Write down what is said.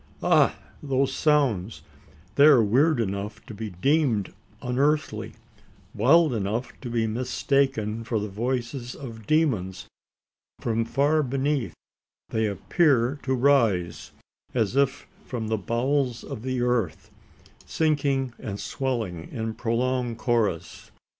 Ah! those sounds! they are weird enough to be deemed unearthly wild enough to be mistaken for the voices of demons. From far beneath, they appear to rise as if from the bowels of the earth, sinking and swelling in prolonged chorus.